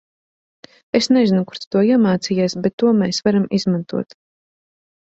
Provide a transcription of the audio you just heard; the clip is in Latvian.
Es nezinu kur tu to iemācījies, bet to mēs varam izmantot.